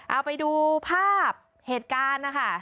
เอาไปดูภาพเหตุการณ์นะคะ